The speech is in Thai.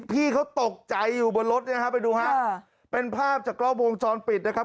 พี่เขาตกใจอยู่บนรถเนี่ยฮะไปดูฮะเป็นภาพจากกล้อวงจรปิดนะครับ